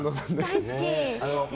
大好き！